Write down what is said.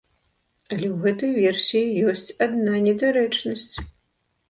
Але ў гэтай версіі ёсць адна недарэчнасць.